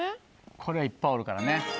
これはいっぱいおるからね。